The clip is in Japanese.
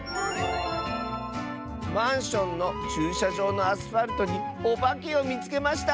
「マンションのちゅうしゃじょうのアスファルトにおばけをみつけました！」。